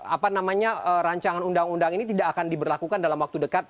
apa namanya rancangan undang undang ini tidak akan diberlakukan dalam waktu dekat